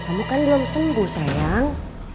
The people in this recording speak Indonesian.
kamu kan belum sembuh sayang